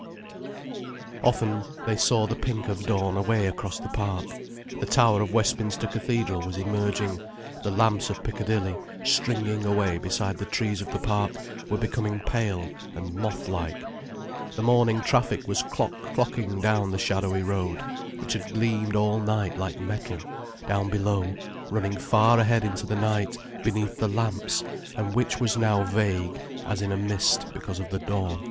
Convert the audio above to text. _ Often, they saw the pink of dawn away across the park. The tower of Westminster Cathedral was emerging, the lamps of Piccadilly, stringing away beside the trees of the park, were becoming pale and moth like, the morning traffic was clock clocking down the shadowy road, which had gleamed all night like metal, down below, running far ahead into the night, beneath the lamps, and which was now vague, as in a mist, because of the dawn.